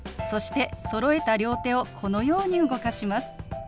そしてそろえた両手をこのように動かします。